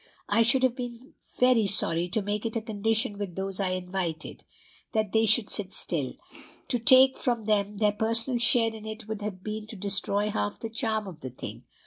I should have been very sorry to make it a condition with those I invited, that they should sit still: to take from them their personal share in it would have been to destroy half the charm of the thing.